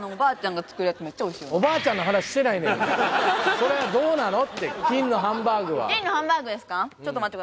それどうなのって金のハンバーグですか？